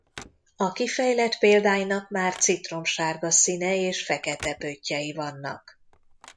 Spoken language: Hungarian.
A kifejlett példánynak már citromsárga színe és fekete pöttyei vannak.